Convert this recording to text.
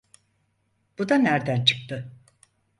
Bu da nerden çıktı?